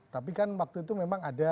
tapi kan waktu itu memang ada